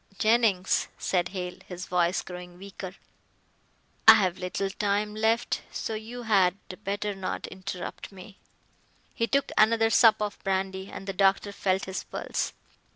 Jennings," said Hale, his voice growing weaker, "I have little time left, so you had better not interrupt me." He took another sup of brandy and the doctor felt his pulse.